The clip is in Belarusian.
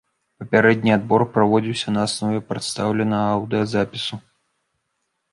Папярэдні адбор праводзіўся на аснове прадстаўленага аўдыёзапісу.